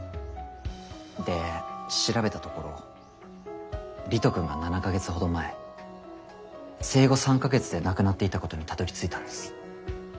で調べたところ理人くんが７か月ほど前生後３か月で亡くなっていたことにたどりついたんです。